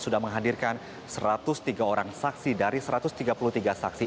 sudah menghadirkan satu ratus tiga orang saksi dari satu ratus tiga puluh tiga saksi